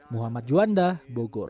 muhammad juanda bogor